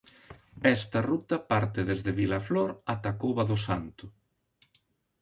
Esta ruta parte desde Vilaflor ata a cova do Santo.